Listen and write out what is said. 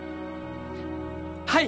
はい！